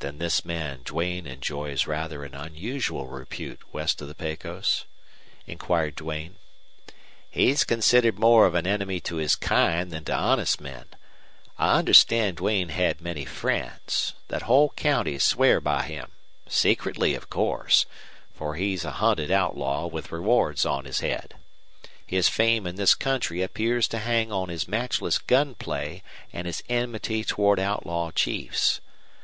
"Then this man Duane enjoys rather an unusual repute west of the Pecos?" inquired Duane. "He's considered more of an enemy to his kind than to honest men. I understand Duane had many friends, that whole counties swear by him secretly, of course, for he's a hunted outlaw with rewards on his head. His fame in this country appears to hang on his matchless gun play and his enmity toward outlaw chiefs.